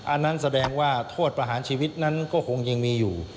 อันนั้นแสดงว่าโทษประหารชีวิตนั้นก็คงยังมีอยู่